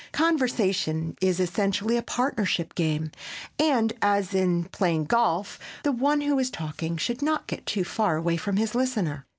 Conversation is essentially a partnership game and, as in playing golf, the one who is talking should not get too far away from his listener.